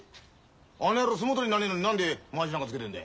あの野郎相撲取りなんねえのに何でまわしなんかつけてんだよ。